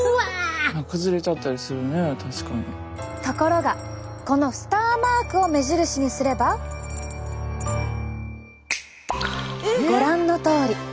ところがこのスターマークを目印にすればご覧のとおり。